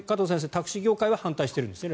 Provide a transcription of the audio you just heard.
タクシー業界は反対しているんですね